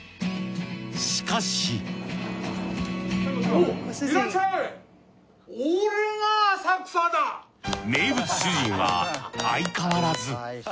しかし名物主人は相変わらず。